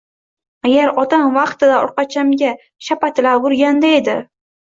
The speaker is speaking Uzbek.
Agar otam vaqtida orqachamga shapatilab urganda edi.